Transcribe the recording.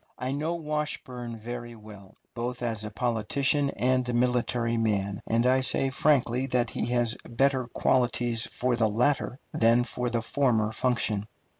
I know Washburn very well, both as a politician and a military man, and I say frankly that he has better qualities for the latter than for the former function.